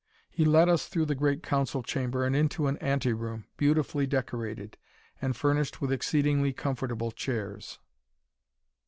He led us through the great council chamber, and into an anteroom, beautifully decorated, and furnished with exceedingly comfortable chairs.